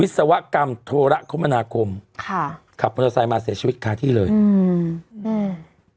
ศวกรรมโทรคมนาคมค่ะขับมอเตอร์ไซค์มาเสียชีวิตคาที่เลยอืมอืม